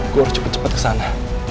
gue harus cepat cepat ke sana